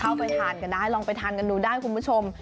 เข้าไปทานกันได้ลองไปทานกันดูได้คุณผู้ชม